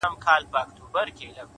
• موږ پخپله یو له حل څخه بېزاره,